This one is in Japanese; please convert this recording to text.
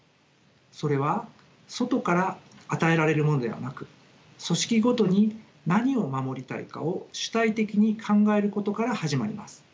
それは外から与えられるものではなく組織ごとに何を守りたいかを主体的に考えることから始まります。